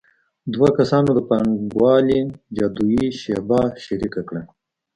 دوه کسانو د پانګوالۍ جادويي شیبه شریکه کړه